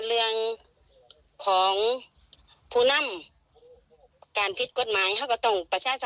เพื่อนกับบ่าฟังหรือเป็นสิรินหรือบ่าเร็น